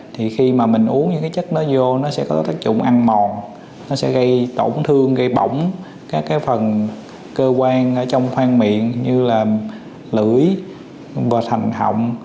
thì khi mà mình uống những chất nó vô nó sẽ có tác dụng ăn mòn nó sẽ gây tổn thương gây bỏng các phần cơ quan trong khoang miệng như là lưỡi và thành họng